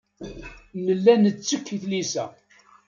Nella nettekk i tlisa.